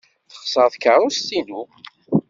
Texṣer tkeṛṛust-inu.